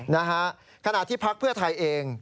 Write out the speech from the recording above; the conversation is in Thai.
นะฮะขณะที่พักเพื่อไทยเอง